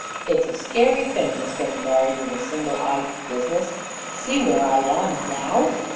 It's a scary thing, this getting married with a single eye to business. See where I am now!